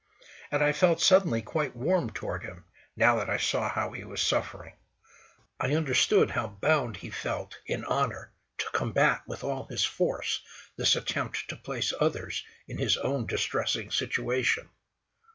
And I felt suddenly quite warm toward him, now that I saw how he was suffering. I understood how bound he felt in honour to combat with all his force this attempt to place others in his own distressing situation.